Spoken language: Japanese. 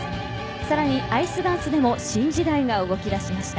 さらにアイスダンスでも新時代が動き出しました。